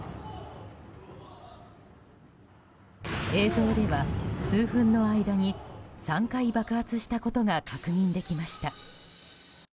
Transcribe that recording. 映像では数分の間に３回爆発したことが確認できました。